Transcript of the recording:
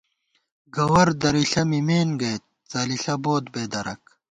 گوَر درِݪہ مِمېن گئیت، څَلِݪہ بوت بےدَرَک